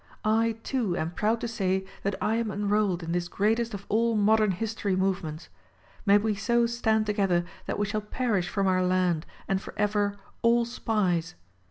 I, too, am proud to say that I am enrolled in this greatest of all modern history movements. May we so stand together that we shall perish from our land and forever, all SPIES